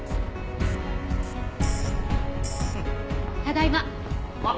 ただいま。